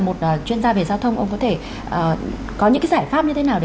một chuyên gia về giao thông ông có thể có những cái giải pháp như thế nào để